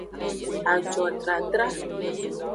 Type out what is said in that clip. Ajodradra.